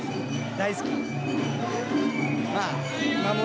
大好き。